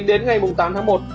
đến ngày tám tháng một